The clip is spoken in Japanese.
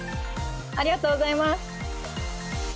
ありがとうございます。